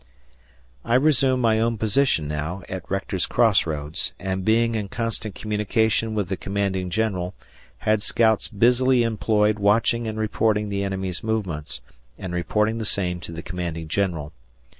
I resumed my own position now, at Rector's cross roads, and being in constant communication with the commanding general, had scouts busily employed watching and reporting the enemy's movements, and reporting the same to the commanding general.